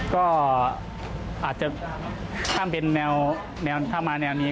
ก็อาจจะถ้ามาแนวนี้